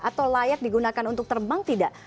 atau layak digunakan untuk terbang tidak